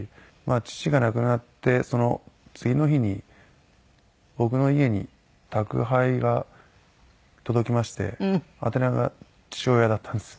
父が亡くなってその次の日に僕の家に宅配が届きまして宛名が父親だったんです。